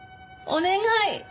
お願い！